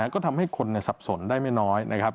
ก็ทำให้คนสับสนได้ไม่น้อยนะครับ